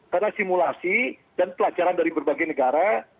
karena simulasi dan pelajaran dari berbagai negara